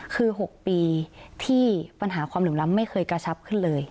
คือ๖ปีที่ปัญหาความเหลื่อมล้ำไม่เคยกระชับขึ้นเลย